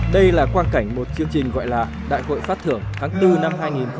đây là quan cảnh một chương trình gọi là đại hội phát thưởng tháng bốn năm hai nghìn hai mươi